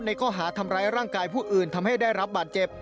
ข้อหาทำร้ายร่างกายผู้อื่นทำให้ได้รับบาดเจ็บ